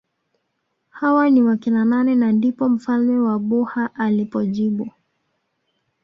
Hawa ni wakina nani na ndipo mfalme wa Buha alipojibu